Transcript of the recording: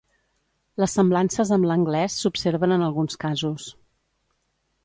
Les semblances amb l'anglès s'observen en alguns casos.